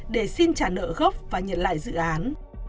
để xin trả nợ gốc và nhận lại dự án